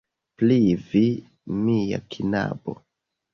Pri vi, mia knabo.